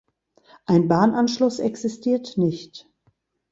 Ein Bahnanschluss existiert nicht.